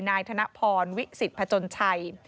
นายธนพรวิสิตพจนชัย